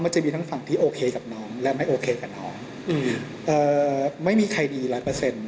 จะมีทั้งฝั่งที่โอเคกับน้องและไม่โอเคกับน้องอืมเอ่อไม่มีใครดีร้อยเปอร์เซ็นต์